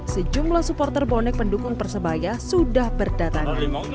sejumlah supporter bonek pendukung persebaya sudah berdatangan